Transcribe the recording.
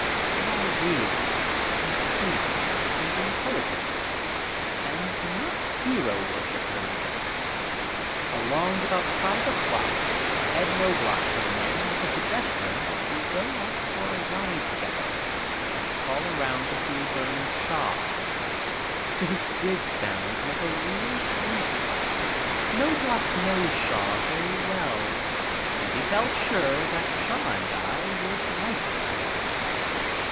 They are real, sincere, and intelligent, and not hero worshipers. Along about five o'clock Ed Knobloch came in with the suggestion that we go out for a ride together and call around to see Bernard Shaw. This did sound like a real treat. Knobloch knows Shaw very well and he felt sure that Shaw and I would like each other.